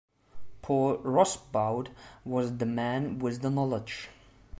Paul Rosbaud was the man with the knowledge.